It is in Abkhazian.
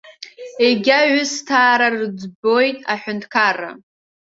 Егьа ҩысҭаара рыӡбуеит аҳәынҭқараа.